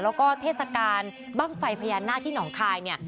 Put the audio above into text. แล้วก็เทศกาลบ้างไฟพญานาคที่หนองคายเนี่ย